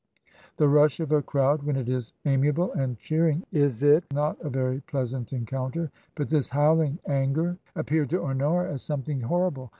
The rush of a crowd when it is amiable and cheering is not a very pleasant encounter ; but this howling anger appeared to Honora as something horrible.